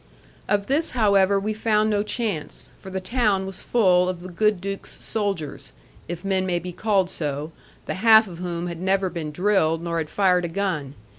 Of this, however, we found no chance, for the town was full of the good Duke's soldiers; if men may be called so, the half of whom had never been drilled, nor had fired a gun.